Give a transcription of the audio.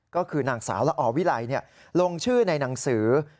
ก็คือนางสาวละอวิไลลงชื่อในหนังสือ